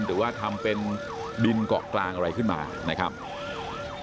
หรือว่าทำเป็นดินเกาะกลางอะไรขึ้นมานะครับ